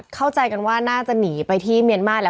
เข้าใจกันว่าน่าจะหนีไปที่เมียนมาร์แล้ว